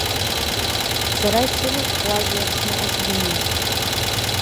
Сара исылалхузеи Аԥсныҟа сганы?!